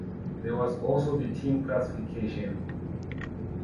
There was also the team classification.